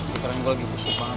pikirannya gue lagi busuk banget